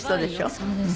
そうです。